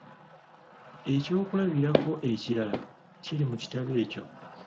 Eky'okulabirako ekirala kiri mu kitabo ekyo.